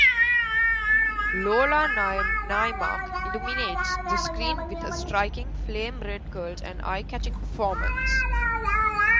Lola Naymark illuminates the screen with her striking, flame-red curls and eye-catching performance.